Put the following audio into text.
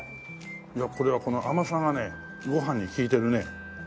いやこれはこの甘さがねご飯に利いてるね。